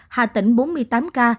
hà tĩnh bốn mươi tám ca